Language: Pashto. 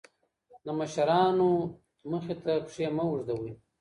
د مشرانو مخې ته پښې مه اوږدوئ.